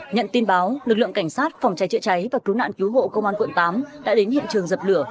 nhận tin báo lực lượng cảnh sát phòng cháy chữa cháy và cứu nạn cứu hộ công an quận tám đã đến hiện trường dập lửa